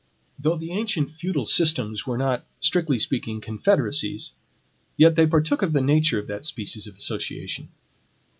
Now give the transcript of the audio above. Though the ancient feudal systems were not, strictly speaking, confederacies, yet they partook of the nature of that species of association.